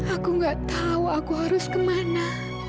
aku gak tahu aku harus kemana